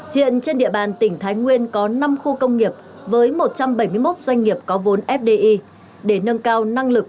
hiện trên địa bàn tỉnh thái nguyên có năm khu công nghiệp với một trăm bảy mươi một doanh nghiệp có vốn fdi để nâng cao năng lực